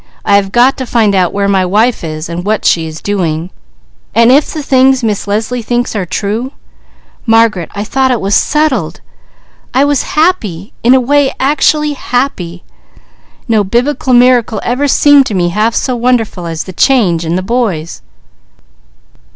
I have got to find out where my wife is, and what she is doing; and if the things Miss Leslie thinks are true. Margaret, I thought it was settled. I was happy, in a way; actually happy! No Biblical miracle ever seemed to me half so wonderful as the change in the boys."